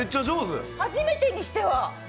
初めてにしては。